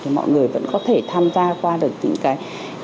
thì mọi người vẫn có thể tham gia qua được những cái